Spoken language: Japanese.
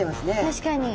確かに。